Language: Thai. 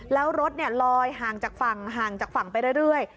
แล้วรถลอยห่างจากฝั่งห่างจากฝั่งไปเรื่อย